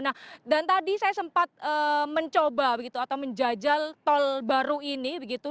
nah dan tadi saya sempat mencoba begitu atau menjajal tol baru ini begitu